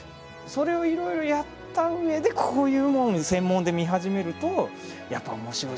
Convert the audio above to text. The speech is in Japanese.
それをいろいろやったうえでこういうものを専門で見始めるとやっぱり面白い世界がね開けるんですよ